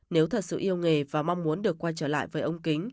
nếu thật sự yêu nghề và mong muốn được quay trở lại với ông kính